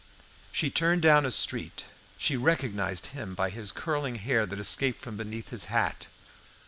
She turned down a street; she recognised him by his curling hair that escaped from beneath his hat.